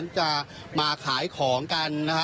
เชิญค่ะ